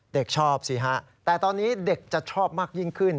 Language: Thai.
เด็กชอบสิฮะแต่ตอนนี้เด็กจะชอบมากยิ่งขึ้น